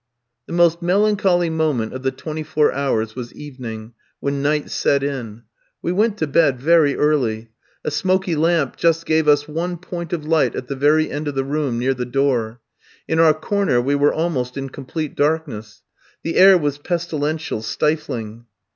The most melancholy moment of the twenty four hours was evening, when night set in. We went to bed very early. A smoky lamp just gave us one point of light at the very end of the room, near the door. In our corner we were almost in complete darkness. The air was pestilential, stifling.